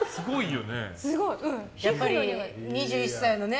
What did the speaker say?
やっぱり２１歳のね。